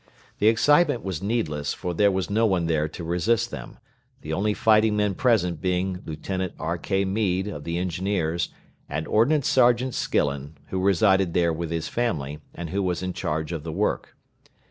The excitement was needless, for there was no one there to resist them, the only fighting men present being Lieutenant R.K. Meade, of the engineers, and Ordnance sergeant Skillen, who resided there with his family, and who was in charge of the work.